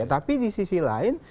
tapi di sisi lain